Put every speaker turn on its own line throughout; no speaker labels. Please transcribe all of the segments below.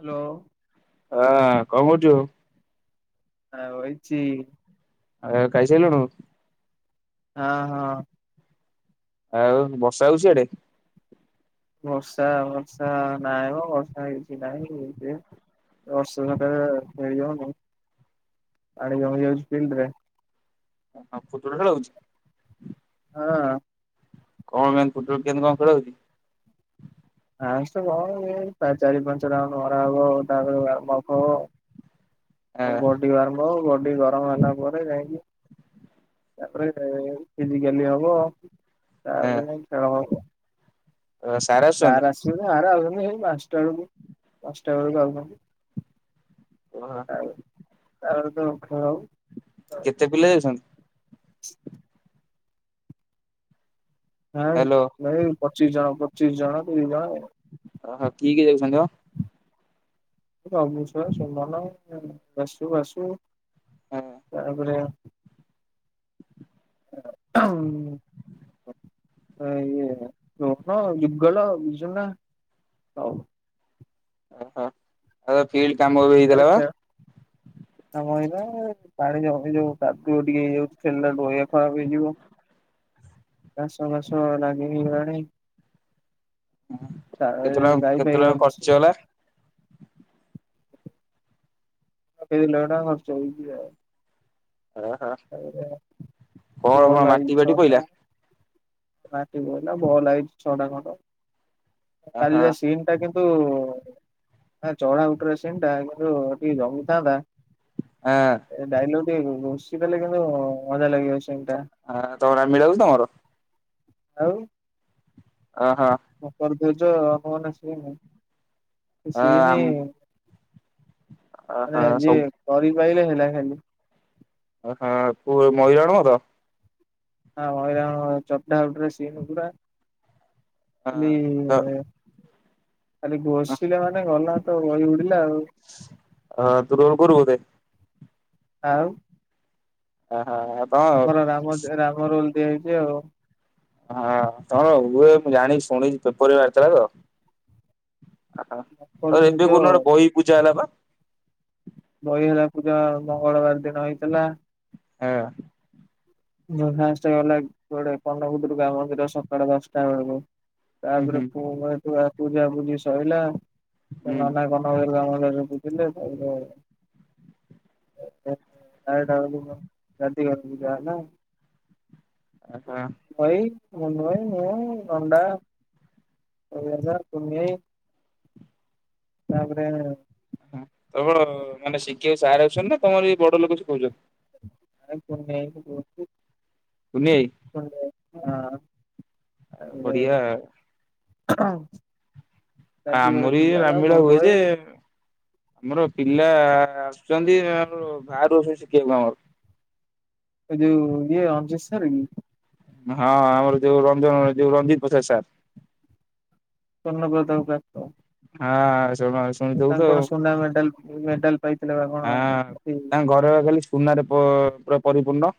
Hello.
ହଁ କଣ କରୁଛୁ।
ହଁ ବଇଛି।
ଆ ଖାଇସରିଲୁନି।
ହଁ ହଁ।
ଆଉ ବର୍ଷା ହଉଛି ସିଆଡେ।
ବର୍ଷା ବର୍ଷା ନହିଁ ବର୍ଷା କିଛି ନାଇଁ। ବର୍ଷ ଘଟାରେ ମିଳିଯାଉନି ପାଣି ଜମି ଯାଉଛି ଫିଲ୍ଡ ରେ।
ହଁ ଫୁଟବଲ ଖେଳ ହଉଛି।
ହଁ।
କଣ ମ ଫଟବଲ କେମତି କଣ ଖେଳଉଛି।
ଚାରି ପାଞ୍ଚ ରାଉଣ୍ଟ ମରା ହବ [unintelligible]
ଆ
ବଡି ଗରମ ହଉ ବଡି ଗରମ ହେଲା ପରେ ଯାଇକି ତାପରେ ଫିଜିକାଲି ହବ ତାପରେ ଖେଳ ହବ।
ଓ ସାର୍ ଆସୁଛନ୍ତି।
ଆରେ ଆଉଛନ୍ତି ସେଇ ପାଞ୍ଚଟା ବେଳକୁ ପାଞ୍ଚଟା ବେଳକୁ ଆଉଛନ୍ତି।
[unintelligible]
ହଉ ଆଉ ହଉ।
କେତେ ପିଲା ଯାଉଛନ୍ତି।
ହାଇଁ
ହ୍ୟାଲୋ
ନାଇ ପଚିଶ ଜଣ ପଚିଶ ଜଣ ତିରିଶ ଜଣ।
ଓହୋ କି କିଏ ଯାଉଛନ୍ତିମ?
[inaudible] ବି ସୁମନ ନା ବାସୁ ବାସୁ ତାପରେ [inaudible] ଇଏ ରନ ଯୁଗଲ ବିଜୁନା ହଉ
ଓହୋ ଆଉ ଫିଲ୍ଡ କାମ ବି
ଆରେ
ହେଇଥିଲା ନା?
ଖେଳ ଆମ ଏଇଲା ପାଣି ଜମି ଯୋଉ କାଦୁଅ ଟିକେ ହେଇଯାଉଛି ଖେଳିଲା ଦେହ ଖରାପ ହେଇଯିବ। ଘାସ ଘାସ ଲାଗି ହେଇଗଲାଣି। ତ
କେତେ ଟଙ୍କା
ଗାଈ
କେତେ
ଫାଇ
ଟଙ୍କା
ଗରା
ଖର୍ଚ୍ଚ
ପଶିବେ।
ହେଲା?
ଫିଲ୍ଡ ଗୁରା ନଷ୍ଟ ହଉଛି ଆଉ
ଓହୋ କଣ
ତାପରେ
କଣ
ବଲ୍
ମାଟି ଫାଟି ପଇଲା।
ମା ବ ନା ବଲ ଲାଗିଛି ଛଅଟା ଖଣ୍ଡ
ଓହୋ
କାଲି ଯୋଉ ସିନ୍ ସେଇଥିରେ ତୁ ଚଉଳା ଉଟରେ ସିନଟା କିନ୍ତୁ ଟିକେ ଜମିଥାନ୍ତା।
ହା
ଏ ଡାଇଲ ଟିକେ ଘୋଷିଦେଲେ କିନ୍ତୁ ମଜା ଲାଗିବ ସିନଟା।
ହ ତମର ରାମଲୀଳା ହଉଛି ତମର।
ଆଉ
ଅହ।
ହଁ କରିଦେଉଛ ଆପଣମାନେ ଆସିବେନି। ସିଇନି
ଓହୋ
ମାନେ
ସବୁ
ଯିଏ କରିପାରଲେ ହେଲା ଖାଲି।
ହଁ ପୁଅ ମଇରାବଣ ତ।
ହଁ ମଇରାଣ ଚଟା ହଟା ସିିନ ପୁରା। [inaudible] ଖାଲି ଘୋଷିଲ ମାନେ ଗଲା ତ ବହି ଉଡିଲା ଆଉ।
ହଁ ତୁ ରୋଲ୍ କରୁ ବୋଧେ।
ଆଉ।
ଆ ହା।
ଏଥର ରାମ ଏ ରାମ ରୋଲ ଦିଆହେଇଛି ଆଉ।
ହଁ ହଁ ହଁ ହୁଏ ମୁ ଜାଣିି ଶୁଣିଛି ପେପରରେ ବାହାରିଥିଲା ତ।
ମକର
ଆଉ
ଧ୍ୱଜ
ଏବେ କୋଉଦିନ ଗୋଟେ ବହି ପୂଜା ହେଲା ବା।
ବହି ଏଇଖିଣା ପୂଜା ମଙ୍ଗଳବାର ଦିନ ହେଇଥିଲା।
ଆଁ।
ଯୋଉ ଫାଷ୍ଟ ଗଲା ଗୋଟେ [unintelligible] ସକାଳ ଦଶଟା ବେଳକୁ।
ହୁଁ ହୁଁ ହୁଁ।
[unintelligible] [unintelligible] ତାପରେ ବାରଟା ବେଳକୁ ଗାଦି ଘରକୁ ଯା ହେଲା।
ଆହା।
[unintelligible] [unintelligible]
ତମର ମାନେ ଶିଖେଇବାକୁ ସାର୍ ଆଉଛନ୍ତି ନା ତମର ଏଇ ବଡ ଲୋକ ସିଖଉଛନ୍ତି।
ନାଇଁ କୁନିଆ ଭାଇ ସିଖଉଛନ୍ତି।
କୁନିଆ ଭାଇ। ଭାଇ ବଢିଆ
[unintelligible] ରାତି ଘରେ
ଆମର ବି
ପୂଜା ହେଲା
ରାମ ଲିଳା
ଗୁଣ୍ଡୁ
ହୁଏ ଯେ।
ଭାଇ
ଆମର ପିଲା ଆସୁଛନ୍ତି ଆଉ ବାହାରୁ ସବୁ ଶିଖିବାକୁ ଆମର।
ଏ ଯୋଉ ଇଏ ରଣଜିତ୍ ସାରେ କି।
ହଁ ଆମର ଯୋଉ ରଞ୍ଜନ ଯୋଉ Ranjit Prasad sir.
Phone number ତାଙ୍କ ପାଖରେ ଥବ।
ହଁ। ସେ ମା ଶୁଣି ଦଉ ତ
ସୁନା ମେଡାଲ ମେଡାଲ ପାଇଥିଲେ ବା କଣ
ଆଉ
ସେ
ତାଙ୍କ ଘରେ ବା ଖାଲି। ସୁନାରେ ପ ପୁରା ପରିପୂର୍ଣ୍ଣ।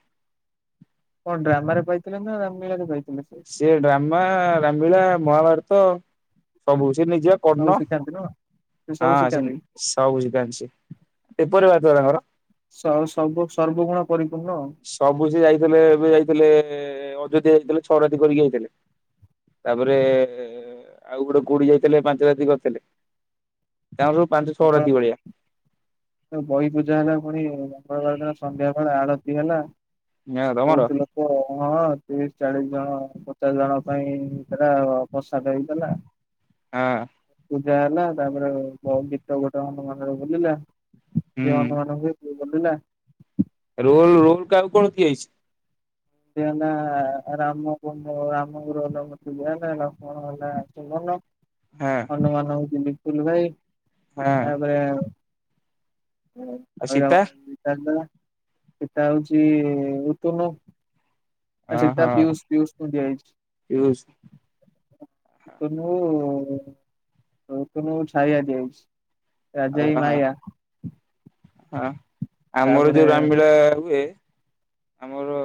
କଁ ଡ୍ରାମାରେ ପାଇଥିଲେ ନା ରାମ ଲିଳାରେ ପାଇଥିଲେ ସେ।
ସେ ଡ୍ରାମା, ରାମଲିଳା, ମହାଭାରତ ସବୁ ସେ ନିଜ।
ସବୁ
ପଢୁନ
ଶିଖାନ୍ତି ନା ସେ ସବୁ
ହଁ ସେ
ଶିଖାନ୍ତି
ସବୁ ସିଖାନ୍ତି ସେ ପେପର ରେ ବାହାରିଚି ବା ତାଙ୍କର।
ସ ସବୁ ସର୍ବଗୁଣ ପରିପୂର୍ଣ୍ଣ।
ସବୁ ସେ ଯାଇଥିଲେ ଏବେ ଯାଇଥିଲେ ଅଯୋଧ୍ୟା ଯାଇଥିଲେ ଛଅ ରାତି କରିକି ଆଇଥିଲେ। ତାପରେ ଆଉ ଗୋଟେ କୋଉଠି ଯାଇଥିଲେ ପାଞ୍ଚ ରାତି କରିଥିଲେ। ତାଙ୍କର ସବୁ ପାଞ୍ଚ, ଛଅ ରାତିି
ମଙ୍ଗଳବାର
ଭଳିଆ।
ବହି ପୂଜା ହେଲା ପୁଣି ମଙ୍ଗଳବାର ଦିନ ସନ୍ଧ୍ୟା ବେଳେ ଆଳତି ହେଲା
ହଁ ତମର
କହୁଥିଲେ। ତ ହଁ ତିରିଶ, ଚାଳିଶ ଜଣ ପଚାଶ ଜଣ ପାଇଁ ହେଇଥିଲା ପ୍ରସାଦ ହେଇଥିଲା।
ହଁ।
ପୂଜା ହେଲା ତାପରେ ମୋ ଗିତ ଗୋଟା ହନୁମାନ ବୋଲିଲା।
ହୁଁ
କଯିଏ ହନୁମାନ ହୁଏ ସିଏ ବୋଲିଲା।
ରୋଲ ରୋଲ କାହାକୁ କଣ ଦିଆ ହେଇଛି।
ଦିଆ ହେଲା ରାମ କୁ ରାମ ରୋଲ୍ ମତେ ଦିଆ ହେଲା ଲକ୍ଷ୍ମଣ ହେଲା [unintelligible]
ହଁ
ହନୁମାନ ହଉଛି ଲିପୁନ ଭାଇ
ହଁ
ତାପରେ।
ଆଉ ସୀତା
[unintelligible] ସିତା ହଉଛି ଇତୁନୁ। ସୀତା
ଓହୋ
ପିୟୁଷ ପିୟୁଷ କୁ ଦିଆଯାଇଛି।
ପିୟୁଷ
[unintelligible] ତୁୁ ଛାଇଆ ଦିଆହେଇଛି। ରଜାଇ
ଓହ
ମାୟା।
ହଁ ଆମର
ତାପରେ
ଯୋଉ ରାମ ଲୀଳା ହୁଏ। ଆମର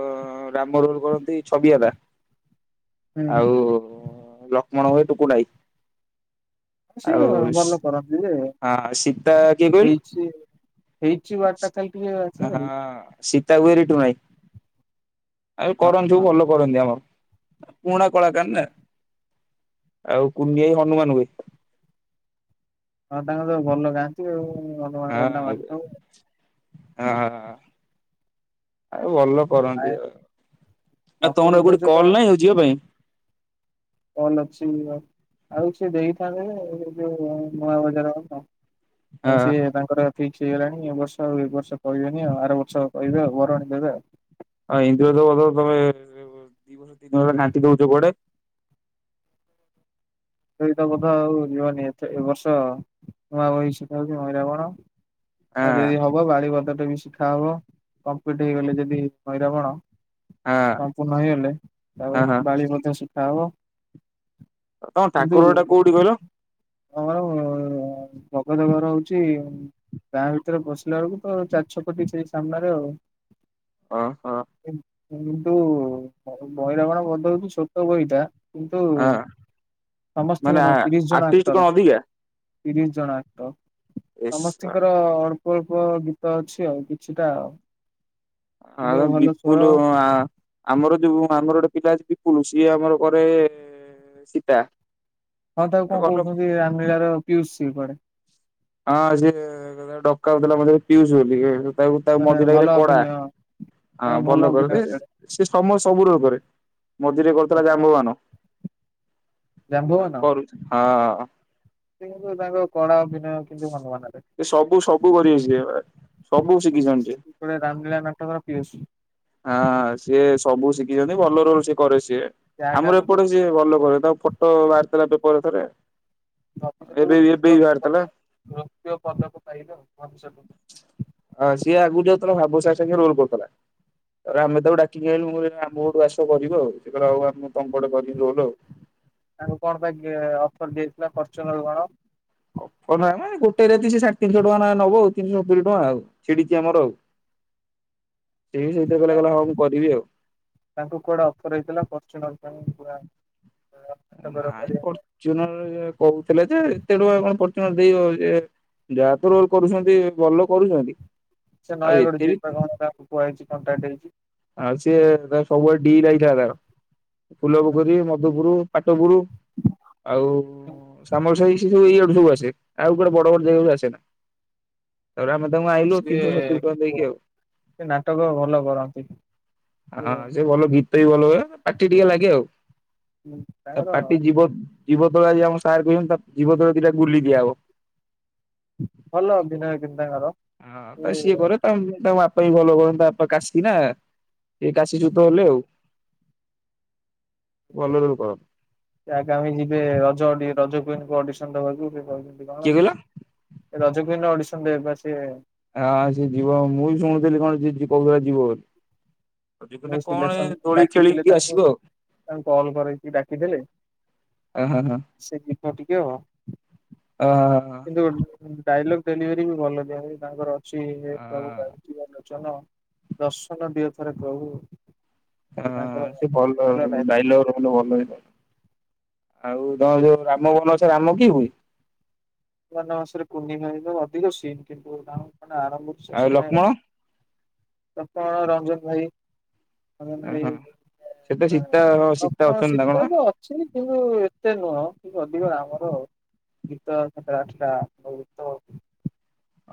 ରାମ ରୋଲ କରନ୍ତି ଛବି ହେଲା।
ହୁଁ
ଆଉ ଲକ୍ଷ୍ମଣ ହୁଏ ଟୁକୁନୁଆଇ।
ସେ
ଆଉ
ଭଲ
ସି
କରନ୍ତି ଯେ
ଆ ଶୀତା କିଏ କାଇଲୁ
ହେଇଛି ହେଇଛି ୱାର୍ଡ ଟା ଖାଲି ଟିକେ ଅଛି ଭାରି
ହଁ ସୀତା ହୁଏ ରିଟୁ ଭାଇ। ଆଉ
ହଁ
କରନ୍ତି ସବୁ
ହଁ।
ଭଲ କରନ୍ତି ଆମର ପୁରୁଣା କଳାକାର ନା ଆଉ କୁନି ହାଇ ହନୁମାନ ହୁଏ।
ହଁ ତାଙ୍କ ତ ଭଲ ଗାଆନ୍ତି ଆଉ ହନୁ ମନ୍ ରୋଲ୍ ଟା ମାନଥୁଵ।
ହଁ ହଁ। ଆ ଭଲ
ଆ
କରନ୍ତି ଆଉ ଆଉ
ନ
ତମର ଆଉ
କରୁଥିବ
କୋଟି
ଯୋଉଟା
କଲ ନାହିଁ ହଉ ଯିବା ପାଇଁ?
କଲ ଅଛି ଆଉ ସିଏ ଆଉ ଦେଇଥାନ୍ତେ ଏ ଯୋଉ ନୂଆ ବଜାର।
ହଁ
ସିଏ ତାଙ୍କର ଫିକ୍ସି ହେଇଗଲାଣି ଏ ବର୍ଷ ଆଉ ଏ ବର୍ଷ କହିବନି ଆଉ ଆର ବର୍ଷ କହିବେ ଆଉ ବରଣି ଦେବେ ଆଉ।
ଆଉ ଇନ୍ଦ୍ର ଦେବ ତମେ ଦି ବର୍ଷ ତିନି ବ ଘଣ୍ଟି ଦଉଛ କୁଆଡେ।
ତ ବଧ ଆଉ ଯିବନି ଏ ଏ ବର୍ଷ ନୂଆ ବହି ସତ ହଉଛି ମହିରାବଣ?
ହଁ
ଆଉ ଯଦି ହବ ବାଳୀ ଭଦଟା ବି ଶିଖା ହବ କମ୍ପ୍ଲିଟ ହେଇଗଲେ ଯଦି ହଇରାବଣ।
ହଁ
ସମ୍ପୂର୍ଣ୍ଣ ହେଇଗଲେ ଆଉ
ହଁ ହଁ
ବାଳି ବଧ ସିଖା ହବ।
ତମ
କିନ୍ତୁ
ଠାକୁର ଘରଟା କୋଉଠି କହିଲ [inaudible]
ଭଗଦ ଘର ହଉଛି ଗାଁ ଭିତରେ ବସିଲା ବେଳକୁ ତ ଚାରି ଛପଟି ସେଇ ସାମ୍ନାରେ ଆଉ।
ହଁ ହଁ।
କିନ୍ତୁ ବହିରା ଵଣ ବଧ ହଉଛି ଛୋଟ ବହିଟା କିନ୍ତୁ
ହଁ ମାନେ
ସମସ୍ତଙ୍କ ତିରିଶ ଜଣ
ଆର୍ଟିଷ୍ଟ
ଆକ୍ଟର।
କଣ ଅଧିକା
ତିରିଶ ଜଣ ଆକ୍ତର
ଏସ
ସମସ୍ତୀ ଙ୍କର। ଅଳ୍ପ ଅଳ୍ପ ଗୀତ ଅଛି ଆଉ କିଛିଟା ଆଉ।
ଆ
କିନ୍ତୁ ଭଲ ସ୍ୱର
ବିପୁଲ ଆ ଆମର ଯୋଉ ଆମର ଗୋଟେ ପିଲା ଅଛି ବିପୁଲ ସିଏ ଆମର କରେ ସୀତା।
ହଁ ତାକୁ କଣ
ଭଲ
କହୁଛନ୍ତି ଆମିଳାର ପିୟୁସି କୁଆଡେ।
ହଁ ସିଏ ଡକାହଉଥିଲା ମଝିରେ ପିୁଉଷୁ ବୋଲିକା ଏବେ ତାକୁ ତାକୁ
ମାନେ
ମଝି
ଭଲ
ଡାକିଲେ
ଅଭିନୟ
କଡା। ହଁ
ତାଙ୍କ
ଭଲ
ଅଭିନୟ
କରଦେ
କରେ
ସେ ସମୟ ସବୁ ରୋଲ୍ କରେ। ମଝିରେ କରୁଥିଲା ଜାମ୍ବବାନ।
ଜାମ୍ବ ବାନ।
କରୁଛି ହଁ।
ସେ କିନ୍ତୁ ତାଙ୍କ କଳା ଅଭିନୟ। କିନ୍ତୁ ହନୁମାନରେ
ସେ ସବୁ ସବୁ କରିବେ ସିଏ ସବୁ ଶିଖିଛନ୍ତି ସିଏ।
ପୁରା ରାମଲୀଳା ନାଟକର ପିଉସ।
ହଁ ସିଏ ସବୁ ଶିଖିଛନ୍ତି ଭଲ ରୋଲ ସିଏ କରେ ସିଏ
ଯାହାକି
ଆମର
ଆମକୁ
ଏପଟେ। ସିଏ ଭଲ କରେ ତା ଫଟୋ ବାହାରିଥିଲା ପେପର ଥରେ।
ଭବିଷ୍ୟତକୁ
ଏବେ ଇ ଏବେ
ରକ୍ତ
ଇ ବାହାରଥିଲା।
ରୌପ୍ୟ ପଦକ ପାଇବେ ଭବିଷ୍ୟତକୁ
ହଁ ସିଏ ଆଗରୁ ଯାଉଥିଲା ଭାବ ସାର ସାଙ୍ଗେ ରୋଲ କରୁଥିଲା। ଆରେ ଆମେ ତାକୁ ଡାକି କି ଆଇଁଲୁ ଆମ କୋଠୁ ଆସ କରିବ ଆଉ ସେ କହିଲା ହଉ ଆମ ତମ ପଟେ କରିବି ରୋଲ ଆଉ।
ତାଙ୍କୁ କଣ ପାଇଁ ଅଫର ଦିଆହେଇଥିଲା କର୍ଚ ନା କଣ।
ଅଫର ନା ମ ଗୋଟେ ରାତି ସେ ସାଢ଼େ ତିିଶହ ଟଙ୍କା ନା ନବ ଆଉ ତିନିଶସତୁରି ଟଙ୍କା ଆଉ ଛିଡିଛି ଆମର ଆଉ। ସେ ବି ସେଇଥିରେ କହିଲା କହିଲା ହଁ ମୁଁ କରିବି ଆଉ।
ତାଙ୍କୁ କୁଆଡେ ଅଫର ହେଇଥିଲା ପରସନାଲ ପାଇଁ ପୁରା। ନାଟକର
ନାଇଁ
କରିବା ପାଇଁ
ପରର୍ଚୁନର କହୁଥିଲେ ଯେ ଏତେ ଟଙ୍କା କଣ ଫର୍ଚୁନର ଦେଇହବ ଯେ ଯାହା ତ ରୋଲ କରୁଛନ୍ତି ଭଲ କରୁଛନ୍ତି।
ସେ
ଆଉ
ନୟାଗଡ
ଏତେ
ଯିବେ ବା କଣ କୁହାହେଇଛି କଣ୍ଟାଟ ହେଇଛି।
ଆଁ ସିଏ ତା ସବୁଆଡ ଡି ଲାଗିଥିଲା ତାର ଫୁଲ ପୋଖରୀ, ମଧୁପୁର। ପାଟପୁରୁ ଆଉ। ସାମଲସାହି ସିଏ ସବୁ ଇଆଡୁ ସବୁ ଆସେ ଆଉ କୁଆଡୁ ବଡ ବଡ ଜାଗାରୁ ଆସେ ନା। ତାପରେ ଆମେ ତାଙ୍କୁ ଆଇଁଲୁ
ସିଏ
ତିନଶହ ସତୁରି ଟଙ୍କା
କିନ୍ତୁ
ଦେଇକି ଆଉ।
ସେ ନାଟକ ଭଲ କରନ୍ତି
ହଁ ସେ ଭଲ ଗୀତ ବି ଭଲ ଗାଏ, ପାଟି ଟିକେ ଲାଗେ ଆଉ।
ହୁଁ।
ତା ପାଟି ଜୀଭ ଜୀଭ ତଳେ ଆଜି ଆମ ସାର୍ କହିଛନ୍ତି ତା ଜୀଭ ତଳେ ଦିଇଟା ଗୁଲି ଦିଆହବ।
ଭଲ ଅଭିନୟ କିନ୍ତୁ ତାଙ୍କର
ଆଁ
ସେ
ବା ସିଏ କରେ। ତାଅଁ ତାଙ୍କ ବାପା ବି ଭଲ କରନ୍ତି ତାଙ୍କ ବାପା କାଶୀ ନା ସେ କାଶୀଚୁତ ଗଲେ ଆଉ। ଭଲ ରୋ
ତା ଆଗାମୀ ଯିବେ ରଜ ଅଡି ରଜ କୁଇନକୁ ଅଡିସନ ଦବାକୁ କହିଛନ୍ତି କଣ।
କିଏ କହିଲ
ରଜକୁଇନର ଅଡିସନ ଦେବେ ବା ସିଏ।
ହଁ ସିଏ ଯିବ ମୁଁ ବି ଶୁଣୁଥିଲି କଣ ଯ ସିଏ କୋଉଥିଲା ଯିବ ବୋଲି। ଯିବୁନି
ଆଉ
କଣ ଏ
ସିଲେକ୍ସନ
ଦୋଳି
ଡାକିଥିଲେ
ଖେଳିକି
ତାଙ୍କୁ
ଆସିବ
ତାଙ୍କୁ କଲ କରକି ଡାକିଥିଲେ।
ଆଉ ହଁ ହଁ ହଁ।
ସେ ଯିବ ଟିକେ ଆଉ।
ଅ ହଁ
କିନ୍ତୁ ଡାଇଲଗ୍ ଡେଲିଭରି ବି ଭଲ ଦିଅନ୍ତି, ତାଙ୍କର ସେ ପ୍ରଭୁ [unintelligible] ଲୋଚନ ଦର୍ଶନ ଦିଅଥରେ ପ୍ରଭୁ।
ହଁ
ଏ ତାଙ୍କର
ସେ ଭଲ ଡାଇଲଗ ରେ ଭଲ ହେଇ ଆଉ ତମ ଯୋଉ ରାମବନ ଅଛ ରାମ କିଏ ହୁଏ?
ବନବାସ ରେ କୁନି ଅଧିକ ସିନ୍ କିନ୍ତୁ ଗ ମାନେ ଆରମ୍ଭରୁ
ଆଉ
ଶେଷ ଯାଏ।
ଲକ୍ଷ୍ମଣ?
[unintelligible] ରଞ୍ଜନ ଭାଇ।
ସେତେ ସୀତା
[unintelligible]
ହଁ ସୀତା ଅଛନ୍ତି
ଅଛି
ନା କଣ ବା
କିନ୍ତୁ ଏତେ ନୁହଁ କିନ୍ତୁ ଅଧିକ ରାମର ଗୀତ। ସାତଟା ଆଠଟା [unintelligible] ଗୀତ।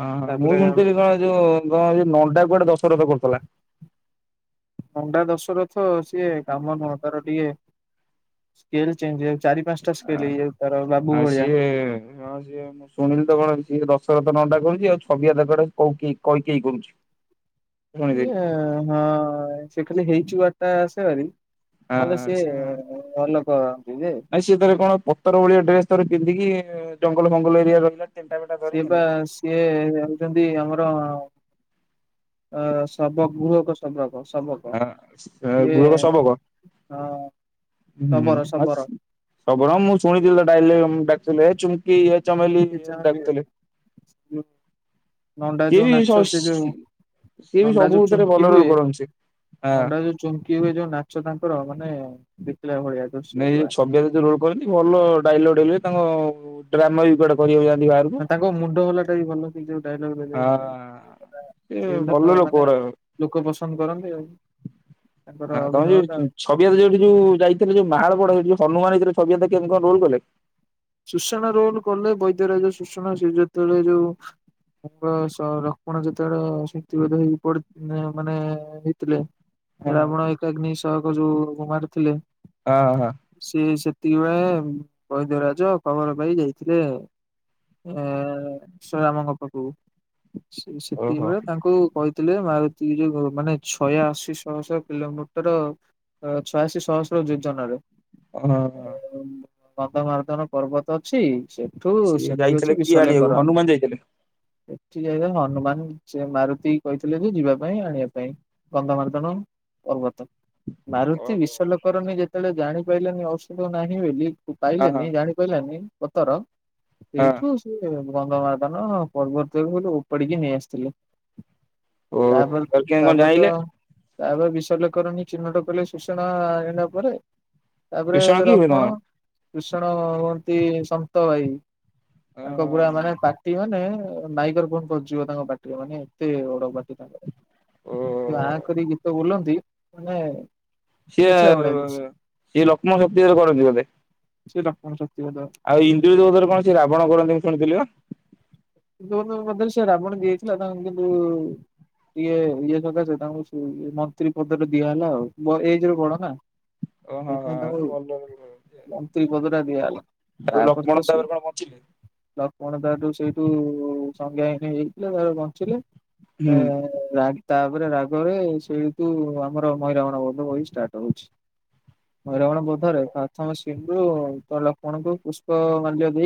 ଅ ହଁ ମୁଁ
ତାପରେ
ଶୁଣିଥିଲି କଣ ଯୋଉ କଣ ଯୋଉ ନଣ୍ଡା କୁଆଡେ ଦଶରଥ କରୁଥିଲା।
ନଣ୍ଡା ଦଶ ରଥ ସିଏ କାମ ନୁହଁ ତାର ଟିକେ ସ୍କୀଲ ଚେଞ୍ଜ ହେଇଯାଉଚି ଚାରି ପାଞ୍ଚଟା ରସ୍କୀଲ ହେଇଯାଉ ତାର ବାବୁ ଭଳିଆ।
ହୁଁ। ହଁ ସିଏ ମୁଁ ଶୁଣିଲି ତ କଣ ସିଏ ଦଶରଥ ନଣ୍ଡା କରୁଛି ଆଉ ଛବି ଦାଦା କୁଆଡେ କୌକେଇ କୈକେଇ କରୁଛି। [unintelligible]
ଏ ହଁ ସେ ଖାଲି ହେଇଚୁ ବା ଟା ଆସେ ଭାରୀ
ହଁ
ନହେଲେ ସିଏ ଭଲ କରନ୍ତି ଯେ।
ଆଇ ସିଏ ତରେ କଣ ପତର ଭଳିଆ ଡ୍ରେସ ଥରେ ପିନ୍ଧିକି ଜଙ୍ଗଲ ଫଙ୍ଗଲ ଏରିଆ ରହିଲା। ଟେଣ୍ଟା ଫେଣ୍ଟା
ସିଏ ବା
ଧରିକିନା
ସିଏ ହଉଛନ୍ତି ଆମର ଅ ସବଗୃହ ସବକ ସବକ
ଆ
ଏ
ଗୁରବ ସବକ
ହଁ। ଶବର
ହୁଁ
ଶବର
ସବ ମୁଁ ଶୁଣିଥିଲି ତ [unintelligible] କି ଚମଲି
ସେ ଚାହୁଁନି
ଡାକଥିଲେ।
ନଣ୍ଡା
ସିଏ ବି
ଯୋଉ
ଜିନିଷ
ନାଚ ସେ ଯୋଉ
ଆଣୁଚି ସିଏ ବି
ନଣ୍ଡା
ସବୁ
ଯୋଉ
ଭିତରେ
ଚୁମ୍କି
ଭଲ
ହୁଏ
ରୋଲ କରନ୍ତି ସେ। ହଁ
ନଣ୍ଡା ଯୋଉ ଚୁମ୍କି ହୁଏ ଯୋଉ ନାଚ ତାଙ୍କର ମାନେ ଦେଖିଲା ଭଳିଆ। ଦୃଶ୍ୟ
ନାଇଁ
ପୁରା
ଛବିଆ ଯଉ ରୋଲ କରନ୍ତି ଭଲ ଡାଇଲଗ ହେଇ ତାଙ୍କ ଡ୍ରାମା ବି କୁଆଡେ କରିବାକୁ ଯାନ୍ତି ବାହାରକୁ।
ତାଙ୍କ ମୁଣ୍ଡ ହଲା ଟା ବି ଭଲ ସେ ଯୋଉ ଡାଇଲଗ
ଆ
[unintelligible]
ସେ
ସେଇଗୁଡା
ଭଲ
ତ ମାନେ
ଲୋକଗୁରା
ଲୋକ ପସନ୍ଦ କରନ୍ତି ଆଉ। ତାଙ୍କର ଅଭିନୟ ଟା ଆଉ।
କବିରାଜ ଯୋଠି ଯୋଉ ଯାଇଥିଲେ ଯୋଉ ମାହଳ ବଡ ଏ ଯୋଉ ହୁମାନ ହେଇଥିଲେ କବିଆ ତାଟିଆ ବେଙ୍ଗ ରୋଲ କଲେ।
ସୁଶମା ରୋଲ କଲେ ବୈଦ୍ୟ ରାଜ ଶୋଷଣ ସେ ଯେତେବେଳେ ଯୋଉ ଲକ୍ଷ୍ମଣ ବିଶୟ ଲକ୍ଷ୍ମଣ ଯେତେ ବେଳେ ଶକ୍ତିବେଦ ହେଇ ପଡି ମାନେ ହେଇଥିଲେ
ହଁ ହଁ
ରାମ ଏକାଗ୍ନି ସହକ ଯୋଉ ବୋମାର ଥିଲେ
ହଁ ହଁ।
ସିଏ ସେତିକି ବେଳେ ବୈଦ ରାଜ। ଜ ଖବର ପାଇ ଯାଇଥିଲେ ଏ ଶରାମଙ୍କ ପାଖକୁ। ସେ ସେତିକ
ଓହୋ
ବଳେ ତାଙ୍କୁ କହିଥିଲେ ମାରି ଇ ଯୋ ମାନେ ଛୟାଅଶି ଶହ ଶହ କିଲୋମିଟର ଛୟାଅଶୀ ସହସ୍ର ଯୋଜନା ରେ।
ହଁ।
ଗନ୍ଧମାର୍ଦନ ପର୍ବତ ଅଛି ସେ ଠୁ
ସିଏ
ସେଠି
ଯାଇଥିଲେ
ଅଛି
କିଏ
ବିଷଲ୍ଯ
ଆଣିବାକୁ
କରନି।
ହନୁମାନ ଯାଇଥିଲେ?
ଏଠି ଯାଇ ହନୁମାନ ସେ ମାରୁତି କହିଥିଲେ ଯେ ଯିବା ପାଇଁ ଆଣିବା ପାଇଁ। ଗନ୍ଧମାର୍ଦନ ପର୍ବତ।
ଓହୋ
ମାରୁତି ବିଶଲ୍ଯ କରନି ଯେତେବେଳେ ଜାଣିପାରିଲାନି ଔଷଧ ନାହିଁ ବୋଲି
ହଁ ହଁ
ପାଇଲେନି ଜାଣିପାଇଲାନି ପତର
ହଁ
ସେଇଠୁ ସେ ଗନ୍ଧମାର୍ଦନ ପର୍ବତ ଉଲୁ ଉପାଡିକି ନେଇ ଆସିଥିଲେ
ଓ
ତାପରେ
ତାହେଲେ କେମିତି କଣ
ତାପରେ ତ
ଜାଇଁଲେ
ତାପରେ ବିଶଲ୍ଯ କରନୀ ଚିହ୍ନଟ କଲେ ଶୂଷଣା ହେଲା ପରେ ତାପରେ
ଶିକ୍ଷଣ କିଏ ହୁଏ
ରକ୍ମଣ
ତମର?
କୃଷଣ ହୁଅନ୍ତି ସନ୍ତ ଭାଇ। ତାଙ୍କ
ଓହୋ
ପୁଢା ମାନେ ପାଟି ମାନେ ନାଇକର କଣ କରୁଛିିବ ତାଙ୍କ ପାଟିର ମାନେ ଏତେ ବଡ ପାଟି ତାଙ୍କର।
ଓ
ଯ ଆଁ କରି ଗୀତ ବୋଲନ୍ତି ମାନେ
ସିଏ
ଦେଖିଲା ଭଳିଆ ଦୃଶ୍ୟ।
ସିଏ ଲକ୍ଷ୍ମ ଶକ୍ତିରେ କରନ୍ତି ବୋଧେ।
ସିଏ ରକ୍ଷ୍ମଣ ଶକ୍ତି ବଧ।
ଆଉଇନ୍ଦୁ ଦେଉଧରେ କଣ ସେ ରାବଣ କରନ୍ତି ଶୁଣିଥିଲି ପା।
ଯୋର ଶୋର କରଦେଲି ସେ ରାବଣ ଦେଇଥିଲା ତାଙ୍କ ଯୋ ଇଏ ଇଏ କଥା ସେ ତାଙ୍କୁ ମନ୍ତ୍ରୀ ପଦ ଟେ ଦିଆହେଲା ଆଉ ଏଇ ଯୋ ବଡ ନା।
ଓହୋ
ସେଇଥି ପାଇଁ ତାକୁ
ହଁ ଭଲ
ମନ୍ତ୍ରୀ ପଦଟା ଦିଆ ହେଲା।
ତାକୁ ଲକ୍ଷ୍ମଣ ତାପରେ କଣ ବଞ୍ଚିଚି।
ଲକ୍ଷ୍ମଣ ତାଠୁ ସେଇଠୁ ସଙ୍ଗ୍ୟା ହେଇଠି ହେଇଥିଲେ ବଞ୍ଚିଲେ।
ହୁଁ।
ଏଁ ରାହା କି। ତାପରେ ରାଗରେ ସେଇତୁ ଆମର ମହି ରାବଣ ବଧ ବହି ଷ୍ଟାର୍ଟ ହଉଛି। ମହି ରାବଣ ବୋଧରେ ପ୍ରଥମ ସିିଲୁ ଲକ୍ଷ୍ମଣଙ୍କୁ ପୁଷ୍ପ ମାଲ୍ୟ ଦେଇ